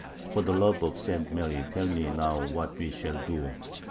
For the love of St. Mary tell me now what we shall do.